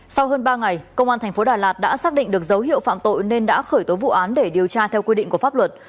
sau hơn ba ngày công an thành phố đà lạt đã xác định được dấu hiệu phạm tội nên đã khởi tố vụ án để điều tra theo quy định của pháp luật